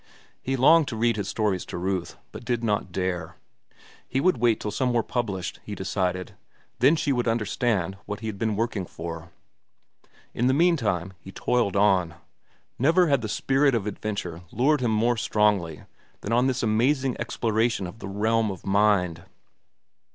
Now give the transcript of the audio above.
He longed to read his stories to Ruth, but did not dare. He would wait till some were published, he decided, then she would understand what he had been working for. In the meantime he toiled on. Never had the spirit of adventure lured him more strongly than on this amazing exploration of the realm of mind.